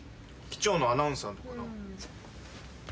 機長のアナウンスあんのかな？